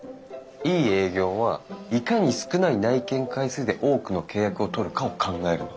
いい営業はいかに少ない内見回数で多くの契約を取るかを考えるの。